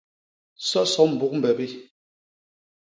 Soso mbuk mbebi.